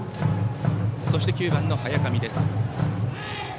そして、９番の早上です。